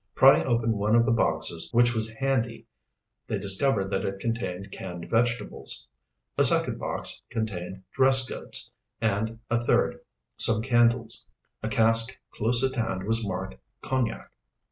Prying open one of the boxes which was handy, they discovered that it contained canned vegetables. A second box contained dress goods, and a third some candles. A cask close at hand was marked "Cognac."